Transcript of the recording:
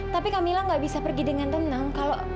tapi kak mila enggak bisa pergi dengan tenang